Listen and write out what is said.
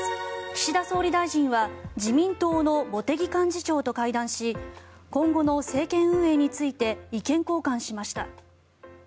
岸田総理大臣は自民党の茂木幹事長と会談し今後の政権運営について意見交換しました。